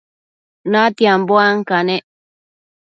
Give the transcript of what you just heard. natianbo ancanec